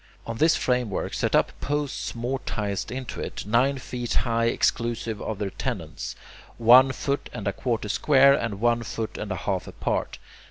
On this framework set up posts mortised into it, nine feet high exclusive of their tenons, one foot and a quarter square, and one foot and a half apart.